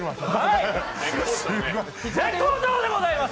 絶好調でございます。